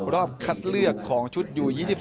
รอบคัดเลือกของชุดยู๒๒